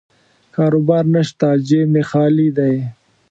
کاروبار نشته، جیب مې خالي دی.